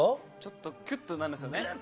ちょっとクッとなるんですよね。